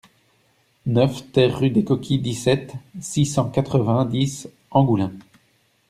neuf TER rue des Coquilles, dix-sept, six cent quatre-vingt-dix, Angoulins